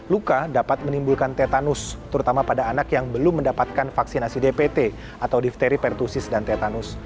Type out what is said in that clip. luka dapat menimbulkan tetanus terutama pada anak yang belum mendapatkan vaksinasi dpt atau difteri pertusis dan tetanus